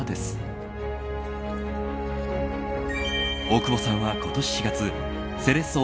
大久保さんは今年４月セレッソ